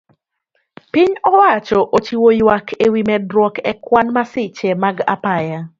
Piny owacho ochiwo yuak ewi medruok ekwan masiche mag apaya